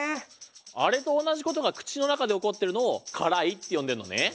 あれとおなじことがくちのなかでおこってるのをからいってよんでんのね。